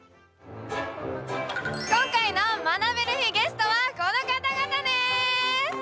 今回の学べる日ゲストはこの方々です